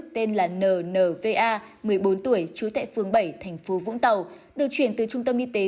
tên là nnva một mươi bốn tuổi chú thệ phương bảy thành phố vũng tàu được chuyển từ trung tâm y tế